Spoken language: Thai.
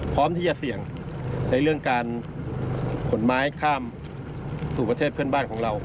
พร้อมที่จะเสี่ยงในเรื่องการขนไม้ข้ามสู่ประเทศเพื่อนบ้านของเรา